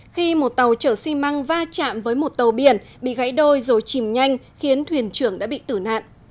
khi một tàu chở xi măng va chạm với một tàu biển bị gãy đôi rồi chìm nhanh khiến thuyền trưởng đã bị tử nạn